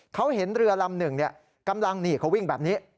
เขาเห็นเรือลำหนึ่งกำลังนี่เขาวิ่งแบบนี้